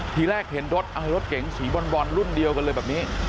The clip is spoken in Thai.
ทีแรกเห็นรถรถเก๋งสีบอลรุ่นเดียวกันเลยแบบนี้